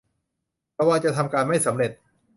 ระวังจะทำการไม่สำเร็จ